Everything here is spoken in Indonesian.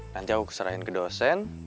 nanti aku serahin ke dosen